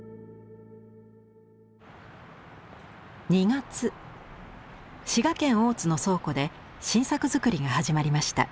２月滋賀県大津の倉庫で新作づくりが始まりました。